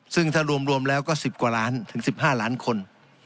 ซึ่งถ้ารวมแล้วก็๑๐กว่าล้านถึง๑๕ล้านคน